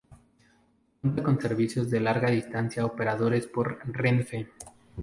Cuenta con servicios de larga distancia operados por Renfe.